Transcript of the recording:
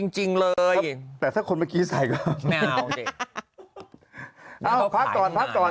จริงเลยแต่ถ้าคนเมื่อกี้ใส่ก็ไม่เอาเด็กเอ้าพักก่อนพักก่อน